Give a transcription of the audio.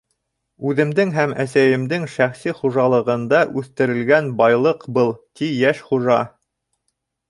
— Үҙемдең һәм әсәйемдең шәхси хужалығында үҫтерелгән байлыҡ был, — ти йәш хужа.